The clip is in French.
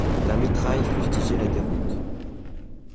La mitraille fustigeait la déroute.